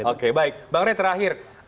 oke baik bang rey terakhir